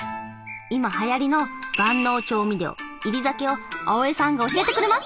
今はやりの万能調味料煎り酒を青江さんが教えてくれます。